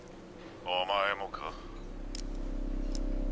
お前もか？